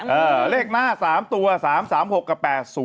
เลขหน้า๓ตัว๓๓๖กับ๘๐